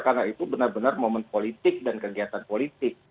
karena itu benar benar momen politik dan kegiatan politik